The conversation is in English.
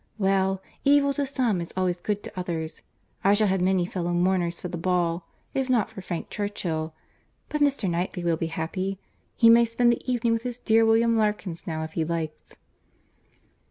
Well! evil to some is always good to others. I shall have many fellow mourners for the ball, if not for Frank Churchill; but Mr. Knightley will be happy. He may spend the evening with his dear William Larkins now if he likes."